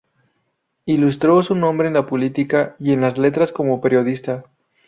Ilustró su nombre en la política y en las letras como periodista.